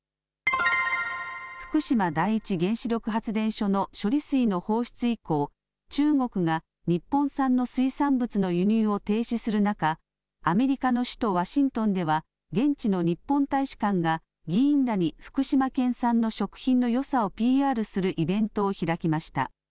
福島第一原子力発電所の処理水の放出以降、中国が日本産の水産物の輸入を停止する中、アメリカの首都ワシントンでは現地の日本大使館が議員らに福島県産の食品のよさをＰＲするイベントを開きました。